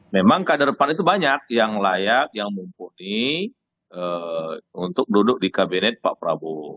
memang kader pan itu banyak yang layak yang mumpuni untuk duduk di kabinet pak prabowo